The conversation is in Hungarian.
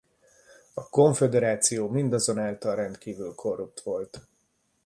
A Konföderáció mindazonáltal rendkívül korrupt volt.